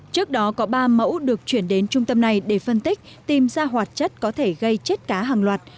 trước đó có ba mẫu được chuyển đến trung tâm này để phân tích tìm ra hoạt chất có thể gây chết cá hàng loạt